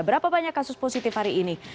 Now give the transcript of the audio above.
berapa banyak kasus positif hari ini